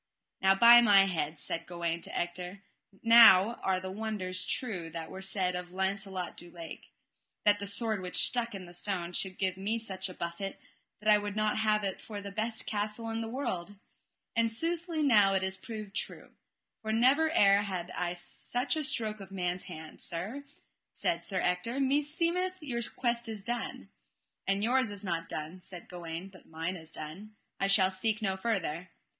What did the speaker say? Now by my head, said Gawaine to Ector, now are the wonders true that were said of Launcelot du Lake, that the sword which stuck in the stone should give me such a buffet that I would not have it for the best castle in this world; and soothly now it is proved true, for never ere had I such a stroke of man's hand. Sir, said Ector, meseemeth your quest is done. And yours is not done, said Gawaine, but mine is done, I shall seek no further.